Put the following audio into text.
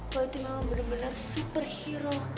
boy itu memang bener bener superhero